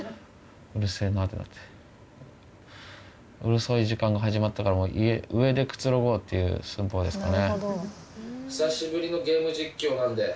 うるさい時間が始まったからもう上でくつろごうっていう寸法ですかね。